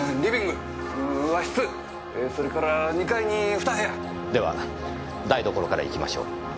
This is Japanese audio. えそれから２階に２部屋！では台所からいきましょう。